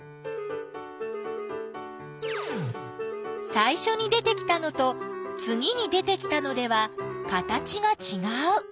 さいしょに出てきたのとつぎに出てきたのでは形がちがう。